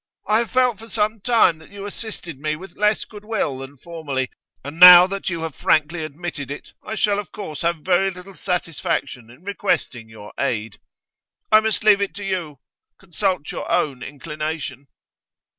I have felt for some time that you assisted me with less good will than formerly, and now that you have frankly admitted it, I shall of course have very little satisfaction in requesting your aid. I must leave it to you; consult your own inclination.